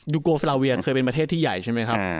โกสลาเวียเคยเป็นประเทศที่ใหญ่ใช่ไหมครับ